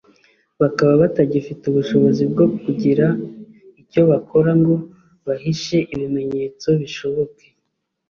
bakaba batagifite ubushobozi bwo kugira icyo bakora ngo bahishe ibimenyetso bishoboke